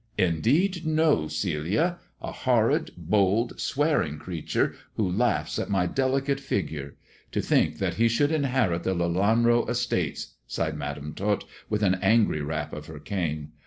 " Indeed no, Celia ! A horrid, bold, swearing creature, who laughs at my delicate figure. To think that he should inherit the Lelanro estates !" sighed Madam Tot, with an angry rap of her cane.